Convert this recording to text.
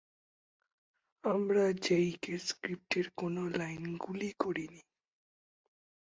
আমরা জেইকের স্ক্রিপ্টের কোন লাইন গুলি করিনি।